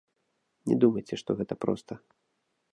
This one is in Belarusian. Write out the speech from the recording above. Не думайце, што гэта проста.